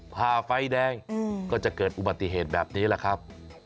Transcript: ผ่าไฟแดงก็จะเกิดอุบัติเหตุแบบนี้แหละครับ